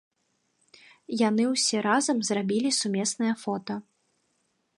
Яны ўсе разам зрабілі сумеснае фота.